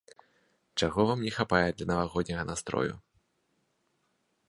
Чаго вам не хапае для навагодняга настрою?